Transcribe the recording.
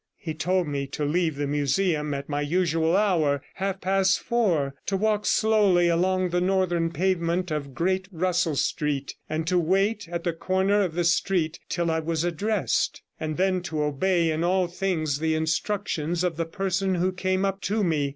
He told me to leave the Museum at my usual hour, half past four, to walk slowly along the northern pavement of Great Russell Street, and to wait at the corner of the street till I was addressed, and then to obey in all things the instructions of the person who came up to me.